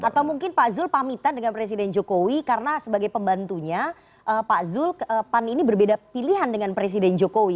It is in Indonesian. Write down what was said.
atau mungkin pak zul pamitan dengan presiden jokowi karena sebagai pembantunya pak zul pan ini berbeda pilihan dengan presiden jokowi